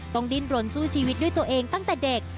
ดิ้นรนสู้ชีวิตด้วยตัวเองตั้งแต่เด็ก